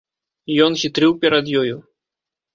Ён хітрыў перад ёю.